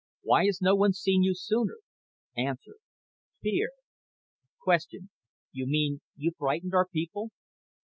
WHY HAS NO ONE SEEN YOU SOONER A. FEAR Q. YOU MEAN YOU FRIGHTENED OUR PEOPLE A.